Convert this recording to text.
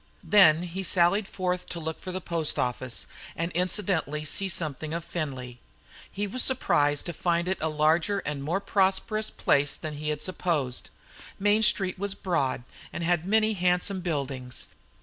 Then he sallied forth to look for the post office and incidentally to see something of Findlay. He was surprised to find it a larger and more prosperous place than he had supposed. Main Street was broad and had many handsome buildings.